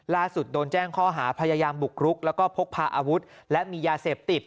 โดนแจ้งข้อหาพยายามบุกรุกแล้วก็พกพาอาวุธและมียาเสพติด